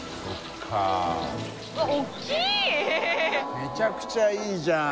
めちゃくちゃいいじゃん。